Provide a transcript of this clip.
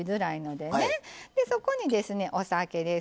でそこにですねお酒です。